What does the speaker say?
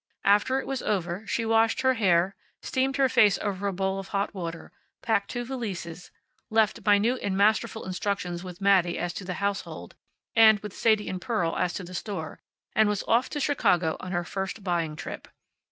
After it was over she washed her hair, steamed her face over a bowl of hot water, packed two valises, left minute and masterful instructions with Mattie as to the household, and with Sadie and Pearl as to the store, and was off to Chicago on her first buying trip.